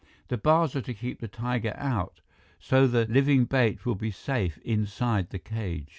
"The bars are to keep the tiger out, so the living bait will be safe inside the cage."